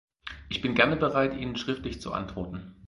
Ich bin gerne bereit, Ihnen schriftlich zu antworten.